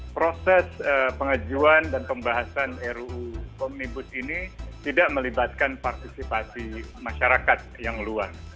proses pengajuan dan pembahasan ruu omnibus ini tidak melibatkan partisipasi masyarakat yang luas